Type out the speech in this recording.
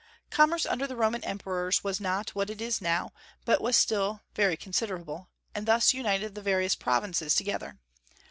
Commerce under the Roman emperors was not what it now is, but still was very considerable, and thus united the various provinces together.